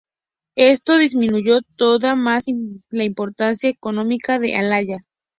Esto disminuyó todavía más la importancia económica de Alanya.